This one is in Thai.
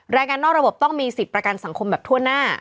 งานนอกระบบต้องมีสิทธิ์ประกันสังคมแบบทั่วหน้า